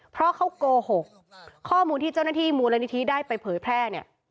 เพราะเขาโกหกข้อมูลที่เจ้าหน้าที่มูลนิธิได้ไปเผยแพร่เนี่ย